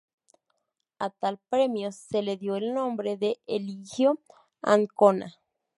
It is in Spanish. A tal premio se le dio el nombre de "Eligio Ancona".